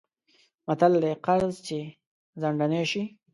متل دی: قرض چې ځنډنی شی...